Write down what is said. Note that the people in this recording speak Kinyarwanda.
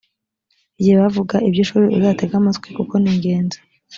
igihe bavuga ibyishuri uzatege amatwi kuko ningenzi.